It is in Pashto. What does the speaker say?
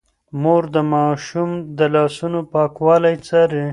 مور د ماشوم د لاسونو پاکوالی څاري.